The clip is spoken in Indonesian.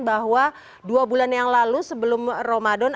bahwa dua bulan yang lalu sebelum ramadan